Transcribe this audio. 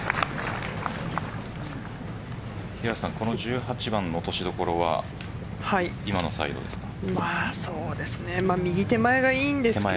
この１８番の落としどころは今のサイドですか？